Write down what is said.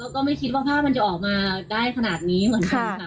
ก็ไม่คิดว่าภาพมันจะออกมาได้ขนาดนี้เหมือนกันค่ะ